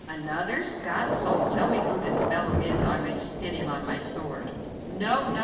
"Another's? God's soul! Tell me who this fellow is that I may spit him on my sword." "No! no!